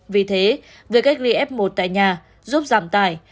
vì thế việc cách ly f một tại nhà giúp giảm tải